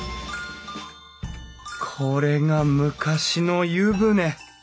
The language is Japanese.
これが昔の湯船。